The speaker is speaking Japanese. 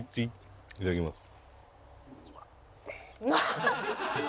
いただきます。